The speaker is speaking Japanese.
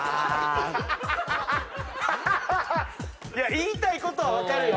言いたいことは分かるよ。